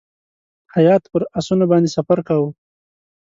هیات پر آسونو باندې سفر کاوه.